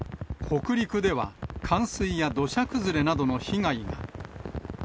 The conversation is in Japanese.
北陸では、冠水や土砂崩れなどの被害が。